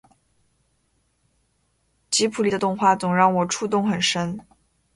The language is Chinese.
吉卜力的动漫总让我触动很深